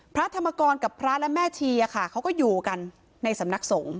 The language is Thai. พระธรรมกรกับพระและแม่ชีค่ะเขาก็อยู่กันในสำนักสงฆ